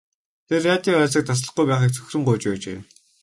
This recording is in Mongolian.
Тэд радио харилцааг таслахгүй байхыг цөхрөн гуйж байжээ.